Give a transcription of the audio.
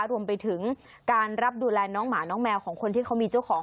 รวมไปถึงการรับดูแลน้องหมาน้องแมวของคนที่เขามีเจ้าของ